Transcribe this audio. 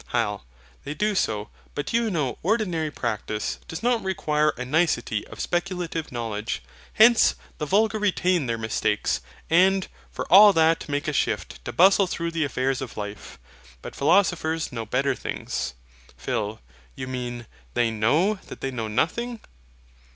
HYL. They do so: but you know ordinary practice does not require a nicety of speculative knowledge. Hence the vulgar retain their mistakes, and for all that make a shift to bustle through the affairs of life. But philosophers know better things. PHIL. You mean, they KNOW that they KNOW NOTHING.